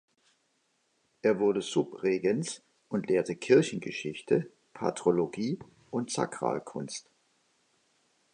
Er wurde Subregens und lehrte Kirchengeschichte, Patrologie und Sakralkunst.